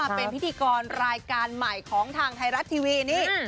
เป็นพิธีกรรายการใหม่ของทางไทยรัฐทีวีนี่